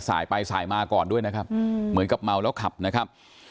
สายไปสายมาก่อนด้วยนะครับเหมือนกับเมาแล้วขับนะครับ